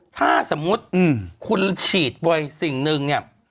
ถ้าสมมุติคุณฉีดไว้สิ่งหนึ่งเนี่ย